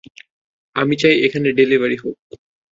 আমি চাই এখানে ডেলিভারি হোক।